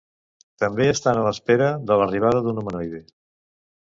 També estan a l'espera de l'arribada d'un humanoide.